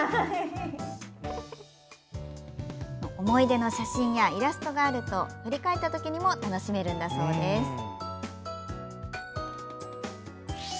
思い出の写真やイラストがあると振り返ったときにも楽しめるんだそうです。